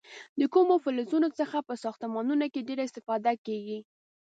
د کومو فلزونو څخه په ساختمانونو کې ډیره استفاده کېږي؟